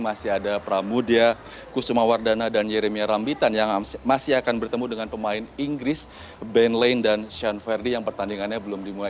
masih ada pramudia kusumawardana dan yeremia rambitan yang masih akan bertemu dengan pemain inggris ben lane dan shan verdi yang pertandingannya belum dimulai